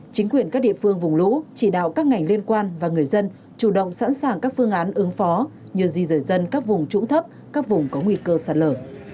chính quyền các địa phương vùng lũ chỉ đạo các ngành liên quan và người dân chủ động sẵn sàng các phương án ứng phó như di rời dân các vùng trũng thấp các vùng có nguy cơ sạt lở